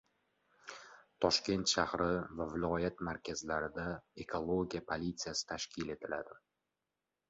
Toshkent shahri va viloyat markazlarida ekologiya politsiyasi tashkil etiladi